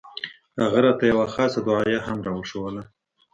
هغه راته يوه خاصه دعايه هم راوښووله.